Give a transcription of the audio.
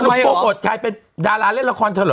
สนุกโปรตถ่ายเป็นดาราเล่นละครเธอหรอ